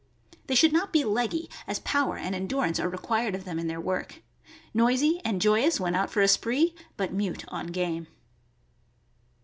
They should not be leggy, as power and endurance are required of them in their work. Noisy and joyous when out for a spree, but mute on game.